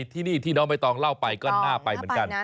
ที่นี่ที่น้องใบตองเล่าไปก็น่าไปเหมือนกัน